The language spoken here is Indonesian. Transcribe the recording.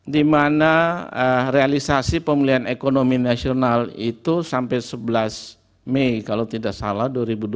di mana realisasi pemulihan ekonomi nasional itu sampai sebelas mei kalau tidak salah dua ribu dua puluh